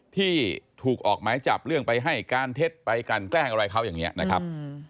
ที่ถูกออกหมายจับเรื่องไปให้การเท็จไปกันแกล้งอะไรเขาอย่างนี้นะครับ